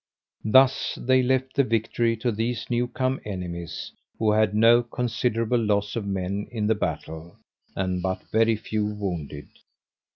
Thus they left the victory to these new come enemies, who had no considerable loss of men in the battle, and but very few wounded.